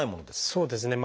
そうですね。